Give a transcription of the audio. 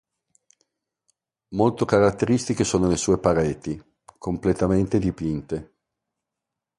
Molto caratteristiche sono le sue pareti, completamente dipinte.